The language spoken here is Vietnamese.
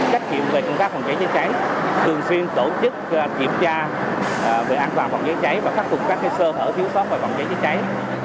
trách nhiệm về công tác phòng cháy chữa cháy thường xuyên tổ chức kiểm tra về an toàn phòng cháy cháy và khắc phục các sơ hở thiếu sót về phòng cháy chữa cháy